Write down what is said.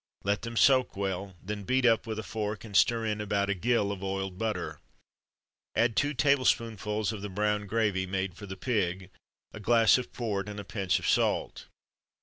Let them soak well, then beat up with a fork, and stir in about a gill of oiled butter. Add two tablespoonfuls of the brown gravy made for the pig, a glass of port, and a pinch of salt.